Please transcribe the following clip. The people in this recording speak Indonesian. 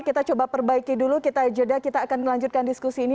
kita coba perbaiki dulu kita jeda kita akan melanjutkan diskusi ini